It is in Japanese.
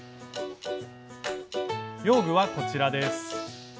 用具はこちらです。